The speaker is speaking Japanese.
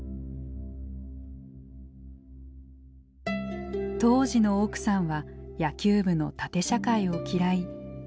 当時の奥さんは野球部の縦社会を嫌い入部しませんでした。